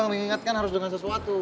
ngingat kan harus dengan sesuatu